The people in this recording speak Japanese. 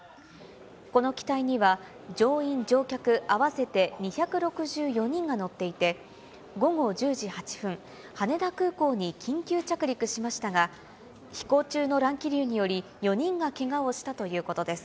この機体には、乗員・乗客合わせて２６４人が乗っていて、午後１０時８分、羽田空港に緊急着陸しましたが、飛行中の乱気流により４人がけがをしたということです。